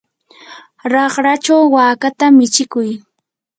raqrachaw wakata michikuy.